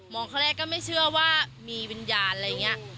ครั้งแรกก็ไม่เชื่อว่ามีวิญญาณอะไรอย่างนี้